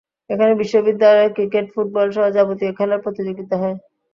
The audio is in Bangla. এখানে বিশ্ববিদ্যালয়ের ক্রিকেট, ফুটবলসহ যাবতীয় খেলার প্রতিযোগিতা হয়।